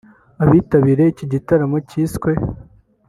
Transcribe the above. Abitabiriye iki gitaramo cyiswe �